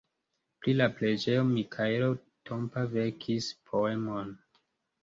Pri la preĝejo Mikaelo Tompa verkis poemon.